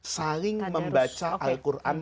saling membaca al quran